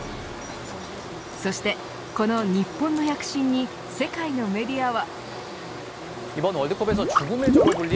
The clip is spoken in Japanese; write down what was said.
そして、この日本の躍進に世界のメディアは。